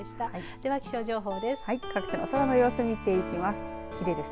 では気象情報です。